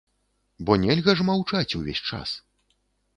Бо нельга ж маўчаць увесь час.